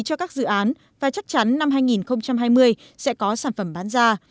cho các dự án và chắc chắn năm hai nghìn hai mươi sẽ có sản phẩm bán ra